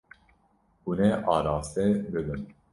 Hûn ê araste bibin.